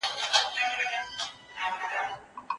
دا تازه بادام ډېر خوږ دي او هیڅ تریخوالی په کې نشته.